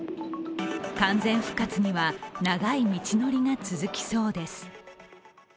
完全復活には長い道のりが続きそうです。